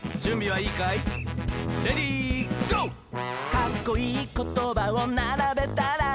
「かっこいいことばをならべたら」